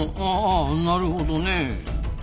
あなるほどね。